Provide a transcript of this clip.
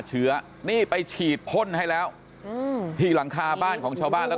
เชื้อนี่ไปฉีดพ่นให้แล้วอืมที่หลังคาบ้านของชาวบ้านแล้ว